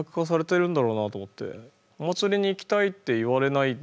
「お祭りに行きたい」って言われないね